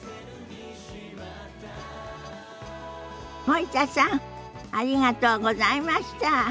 森田さんありがとうございました。